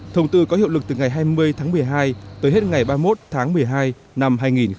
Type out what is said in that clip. thông tư có hiệu lực từ ngày hai mươi tháng một mươi hai tới hết ngày ba mươi một tháng một mươi hai năm hai nghìn một mươi chín